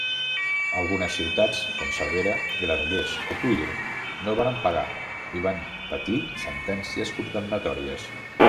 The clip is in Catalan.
Algunes ciutats, com Cervera, Granollers o Tuïr no varen pagar i van patir sentències condemnatòries.